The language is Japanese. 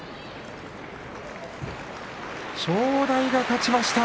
正代が勝ちました。